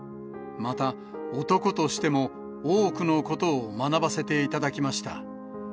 また、男としても多くのことを学ばせていただきました。